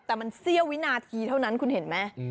แต่มันเสี้ยววินาทีเท่านั้นคุณเห็นไหม